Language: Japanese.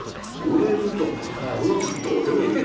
売れるとかそんなことどうでもいい。